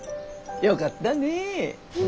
よかったねえ。